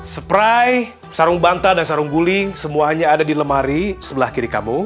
spry sarung banta dan sarung guling semuanya ada di lemari sebelah kiri kamu